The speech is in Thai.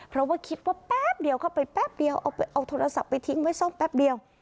เพราะว่าคิดว่าแป๊บเดียวเข้าไปแป๊บเดียวเอาโทรศัพท์ไปทิ้งไว้ซ่อมแป๊บเดียว